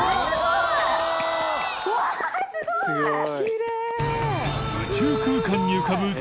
いすごい！